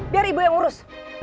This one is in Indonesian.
biar ibu yang urus